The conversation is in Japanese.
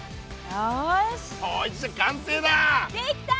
よし！